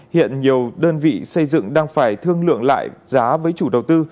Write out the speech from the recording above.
hiện nhiều đơn vị xây dựng đang phải thương lượng lại giá với chủ đầu tư